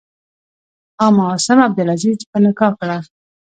ام عاصم عبدالعزیز په نکاح کړه.